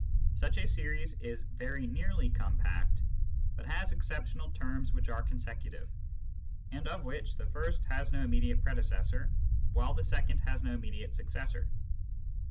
Such a series is very nearly compact, but has exceptional terms which are consecutive, and of which the first has no immediate prede cessor, while the second has no immediate successor.